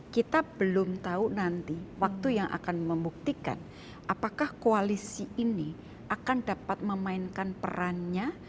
kita belum tahu nanti waktu yang akan membuktikan apakah koalisi ini akan dapat memainkan perannya